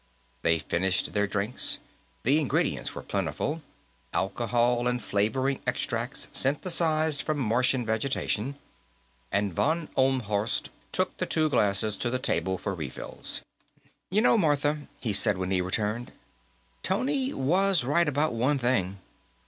They finished their drinks the ingredients were plentiful; alcohol and flavoring extracts synthesized from Martian vegetation and von Ohlmhorst took the two glasses to the table for refills. "You know, Martha," he said, when he returned, "Tony was right about one thing.